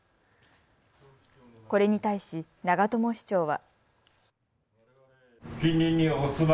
これに対し長友市長は。